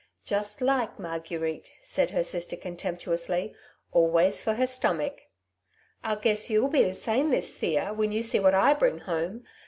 " Just like Marguerite !" said her sister con temptuously ;" always for her stomach." ^' I guess you'll be the same, Miss Thea, when you see what I bring home.